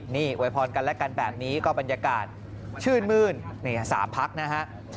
นี่อวยพรกันและกันแบบนี้ก็บรรยากาศชื่นมื้น๓พักนะฮะ